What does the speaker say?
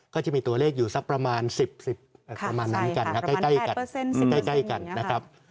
ก็จะมีตัวเลขอยู่สักประมาณ๑๐๑๐ประมาณนั้นกันนะใกล้กันใกล้กันนะครับ